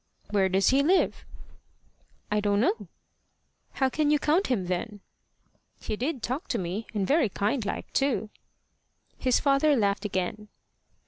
"Where does he live?" "I don't know." "How can you count him, then?" "He did talk to me, and very kindlike too." His father laughed again.